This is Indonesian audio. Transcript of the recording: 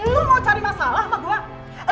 lo mau cari masalah apa gua